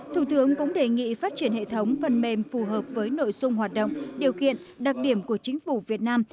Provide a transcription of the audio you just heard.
thủ tướng cũng đề nghị phát triển hệ thống phần mềm phù hợp với nội dung hoạt động điều kiện đặc điểm của chính phủ việt nam